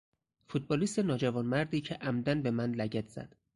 فوتبالیست ناجوانمردی که عمدا به من لگد زد